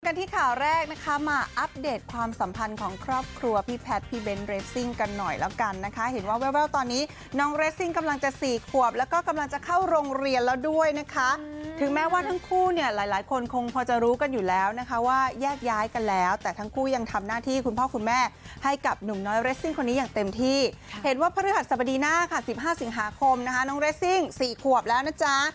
กันที่ข่าวแรกนะคะมาอัปเดตความสัมพันธ์ของครอบครัวพี่แพทย์พี่เบนเรสซิ่งกันหน่อยแล้วกันนะคะเห็นว่าเว้วตอนนี้น้องเรสซิ่งกำลังจะสี่ขวบแล้วก็กำลังจะเข้าโรงเรียนแล้วด้วยนะคะถึงแม้ว่าทั้งคู่เนี่ยหลายคนคงพอจะรู้กันอยู่แล้วนะคะว่าแยกย้ายกันแล้วแต่ทั้งคู่ยังทำหน้าที่คุณพ่อคุณแม่ให้กับหนุ่มน